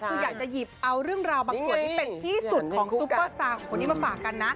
คืออยากจะหยิบเอาเรื่องราวบางส่วนที่เป็นที่สุดของซุปเปอร์สตาร์ของคนนี้มาฝากกันนะ